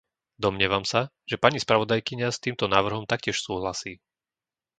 Domnievam sa, že pani spravodajkyňa s týmto návrhom taktiež súhlasí.